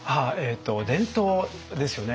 伝統ですよね。